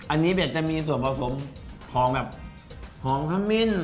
อันนี้เบ็ดจะมีส่วนผสมของแบบหอมขมิ้น